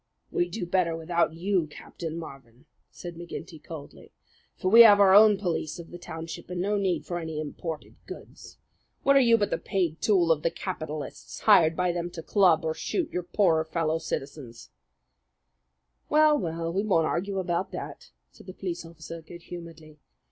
"We'd do better without you, Captain Marvin," said McGinty coldly; "for we have our own police of the township, and no need for any imported goods. What are you but the paid tool of the capitalists, hired by them to club or shoot your poorer fellow citizen?" "Well, well, we won't argue about that," said the police officer good humouredly.